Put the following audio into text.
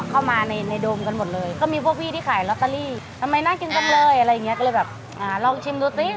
ทำไมน่ากินจะไม่อะไรอย่างนี้ก็เลยลองชมดูซิ